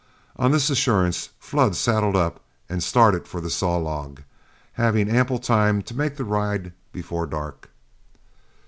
On this assurance, Flood saddled up and started for the Saw Log, having ample time to make the ride before dark.